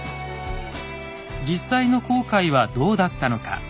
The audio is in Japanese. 実際の航海はどうだったのか。